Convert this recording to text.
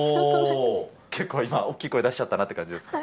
結構今、大きい声出しちゃったなって感じですか。